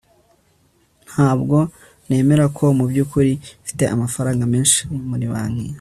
Ntabwo nemera ko mubyukuri mfite amafaranga menshi muri banki